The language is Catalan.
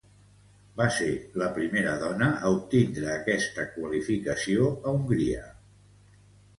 Va ser la primera dona a obtindre esta qualificació a Hongria.